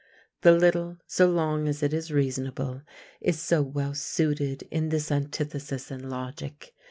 The little, so long as it is reasonable, is so well suited in this antithesis and logic.